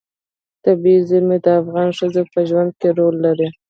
طبیعي زیرمې د افغان ښځو په ژوند کې رول لري.